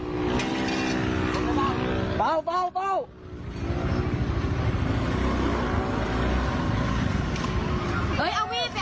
ฟันรถเลย